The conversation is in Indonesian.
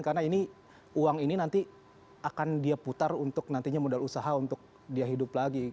karena ini uang ini nanti akan dia putar untuk nantinya modal usaha untuk dia hidup lagi